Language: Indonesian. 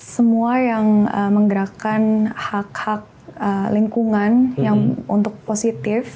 semua yang menggerakkan hak hak lingkungan yang untuk positif